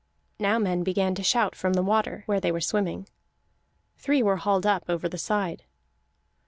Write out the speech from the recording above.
Now men began to shout from the water, where they were swimming. Three were hauled up over the side.